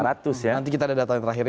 nanti kita ada data terakhir ya